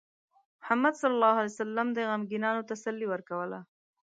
محمد صلى الله عليه وسلم د غمگینانو تسلي ورکوله.